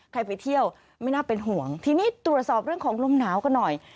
ไปเที่ยวไม่น่าเป็นห่วงทีนี้ตรวจสอบเรื่องของลมหนาวกันหน่อย